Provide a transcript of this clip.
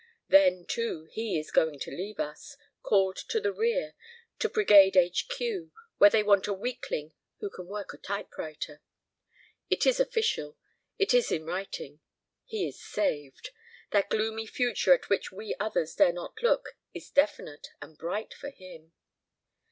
Then, too, he is going to leave us, called to the rear, to Brigade H.Q., where they want a weakling who can work a typewriter. It is official; it is in writing; he is saved. That gloomy future at which we others dare not look is definite and bright for him.